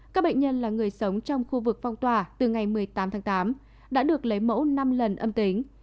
các bệnh nhân là người sống trong khu vực phong tỏa từ ngày một mươi tám tháng tám đã được lấy mẫu năm lần âm tính